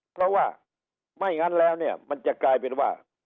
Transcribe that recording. เพราะว่าไม่งั้นแล้วเนี่ยมันจะกลายเป็นว่า